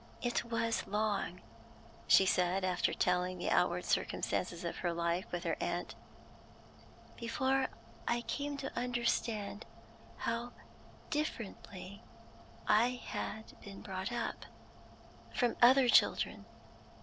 "It was long," she said, after telling the outward circumstances of her life with her aunt, "before I came to understand how differently I had been brought up from other children.